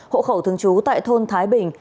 hộ khẩu thường trú tại thôn thái bình